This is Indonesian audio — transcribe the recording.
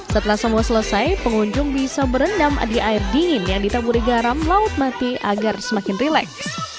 setelah semua selesai pengunjung bisa berendam di air dingin yang ditaburi garam laut mati agar semakin rileks